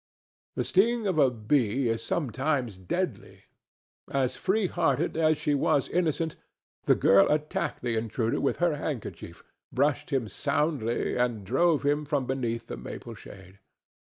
The sting of a bee is sometimes deadly. As free hearted as she was innocent, the girl attacked the intruder with her handkerchief, brushed him soundly and drove him from beneath the maple shade.